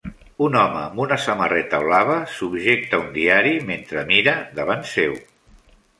Un home amb una samarreta blava subjecta un diari mentre mira davant seu.